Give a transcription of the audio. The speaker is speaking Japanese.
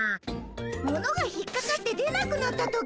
ものが引っかかって出なくなった時？